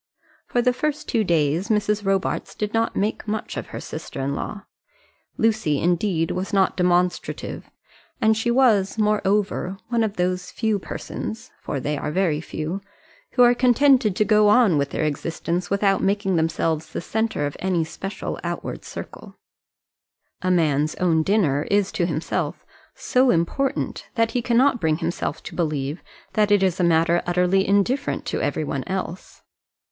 For the first two days Mrs. Robarts did not make much of her sister in law. Lucy, indeed, was not demonstrative; and she was, moreover, one of those few persons for they are very few who are contented to go on with their existence without making themselves the centre of any special outward circle. To the ordinary run of minds it is impossible not to do this. A man's own dinner is to himself so important that he cannot bring himself to believe that it is a matter utterly indifferent to every one else.